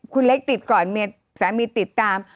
คุณเล็กติดก่อนเมียสามีติดตาม